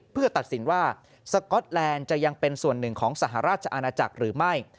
เพื่อตัดสินว่าสก๊อตแลนด์จะยังเป็นส่วนหนึ่งของสหราชอาณาจักรหรือไม่